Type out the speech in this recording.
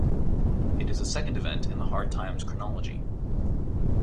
It is the second event in the Hard Times chronology.